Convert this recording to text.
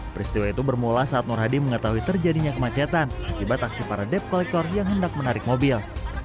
peristiwa itu bermula saat nur hadi mengetahui terjadinya kemacetan akibat aksi para dep kolektor yang hendak menarik mobil